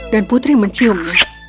dan putri menciumnya